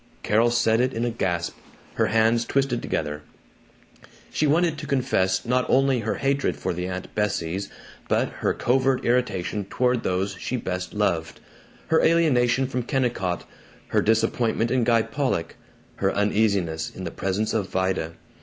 Carol said it in a gasp, her hands twisted together. She wanted to confess not only her hatred for the Aunt Bessies but her covert irritation toward those she best loved: her alienation from Kennicott, her disappointment in Guy Pollock, her uneasiness in the presence of Vida.